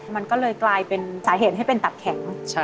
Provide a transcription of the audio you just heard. มันก็เลยกลายเป็นสาเหตุให้เป็นตับแข็ง